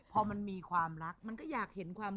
เพื่อนแต่งงานไปกันเกือบหมดแล้ว